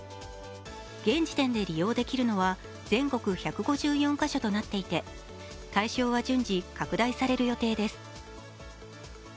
現時点で利用できるのは全国１５４か所となっていて対象は順次拡大される予定です。